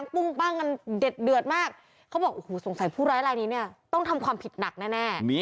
เขาบอกโอ้โหสงสัยผู้ร้ายลายนี้เนี่ยต้องทำความผิดหนักแน่แน่มี